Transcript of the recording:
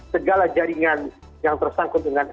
segala jaringan yang tersangkutannya